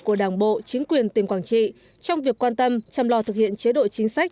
của đảng bộ chính quyền tỉnh quảng trị trong việc quan tâm chăm lo thực hiện chế độ chính sách